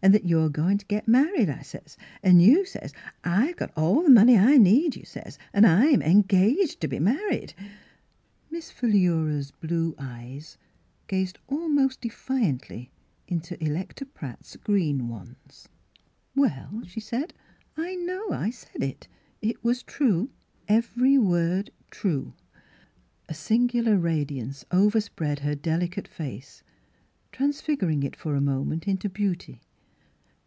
an' that you're goin' t' get married,' I sez. An' you sez, ' I've got all the money I need,' you sez, * an' I'm engaged t' be married.' " Miss Philura's blue eyes gazed almost defiantly into Electa Pratt's green ones. Mdss Philura's Wedding Gown " Well," she said, " I know I said it. It was true 1 — every word true." A singular radiance overspread her del icate face transfiguring it for a moment into beauty.